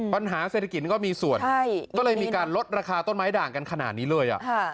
ปัญหาเศรษฐกิจก็มีส่วนก็เลยมีการลดราคาต้นไม้ด่างกันขนาดนี้เลย